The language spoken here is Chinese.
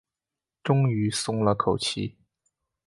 终于松了口气